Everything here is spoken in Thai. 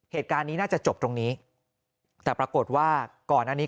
เหตุการณ์นี้น่าจะจบตรงนี้แต่ปรากฏว่าก่อนอันนี้